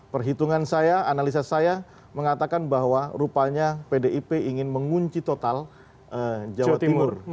perhitungan saya analisa saya mengatakan bahwa rupanya pdip ingin mengunci total jawa timur